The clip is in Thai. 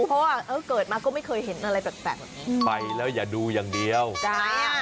เพราะว่าเออเกิดมาก็ไม่เคยเห็นอะไรแปลกแปลกแบบนี้ไปแล้วอย่าดูอย่างเดียวได้อ่ะ